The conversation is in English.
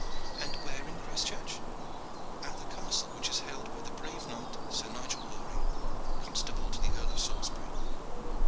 "And where is Christchurch?" "At the castle which is held by the brave knight, Sir Nigel Loring, constable to the Earl of Salisbury."